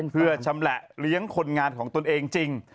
เพื่อชำแหละเลี้ยงคนงานของตนเองจริง